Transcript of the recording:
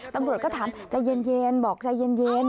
ตำรวจก็ถามใจเย็นบอกใจเย็น